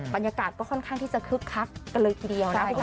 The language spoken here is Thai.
บรรยากาศก็ค่อนข้างที่จะคึกคักกันเลยทีเดียวนะคะ